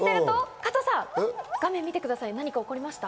加藤さん、画面を見てください、何が起こりました？